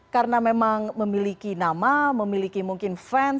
karena memang memiliki nama memiliki mungkin fans